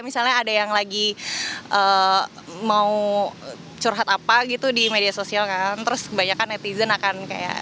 misalnya ada yang lagi mau curhat apa gitu di media sosial kan terus kebanyakan netizen akan kayak